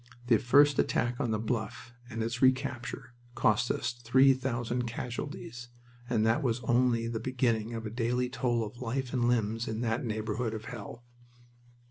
The first attack on the Bluff and its recapture cost us three thousand casualties, and that was only the beginning of a daily toll of life and limbs in that neighborhood of hell.